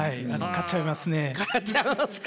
買っちゃいますか？